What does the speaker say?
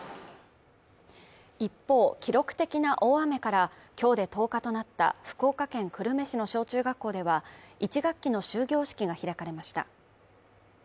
一方、記録的な大雨から今日で１０日となった福岡県久留米市の小・中学校では１学期の終業式が開かれました。